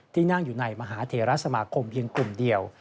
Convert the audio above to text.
ที่นั่งอยู่ในมหาเทราสมาคมเพียงกลุ่มเดียว